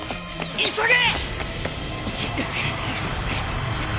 急げ！